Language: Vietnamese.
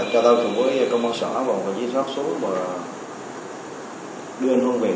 cho tôi cùng với công an sở và một đồng chí sát xuống và đưa anh hưng về